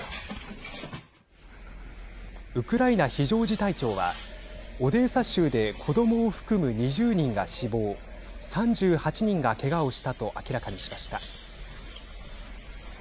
ウクライナ非常事態庁はオデーサ州で子どもを含む２０人が死亡３８人がけがをしたと明らかにしました。